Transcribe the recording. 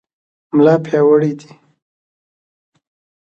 ملا پیاوړی دی.